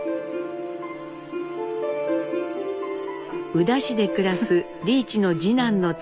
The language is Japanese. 宇陀市で暮らす利一の次男の妻